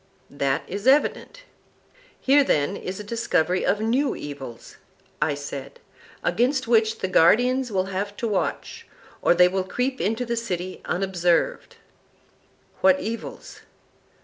That is evident. Here, then, is a discovery of new evils, I said, against which the guardians will have to watch, or they will creep into the city unobserved. What evils?